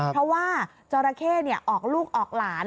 เพราะว่าจราเข้ออกลูกออกหลาน